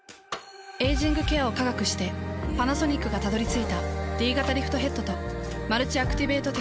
エイジングケアを科学してパナソニックがたどり着いたＤ型リフトヘッドとマルチアクティベートテクノロジー。